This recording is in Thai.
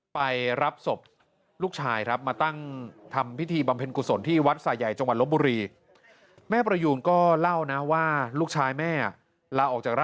ไปรับศพลูกชายครับมาตั้งทำพิธีบำเพ็ญกุศล